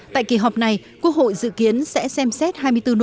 tại kỳ họp này quốc hội dự kiến sẽ xem xét hai mươi bốn nội dung thuộc công tác lập pháp